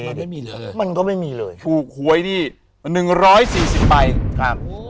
มันไม่มีเหลือเลยมันก็ไม่มีเลยถูกหวยนี่หนึ่งร้อยสี่สิบใบครับ